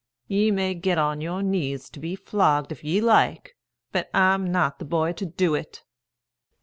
Ye may get on your knees to be flogged, if ye like; but I'm not the boy to do it."